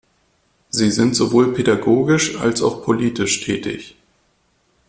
Sie sind sowohl pädagogisch als auch politisch tätig.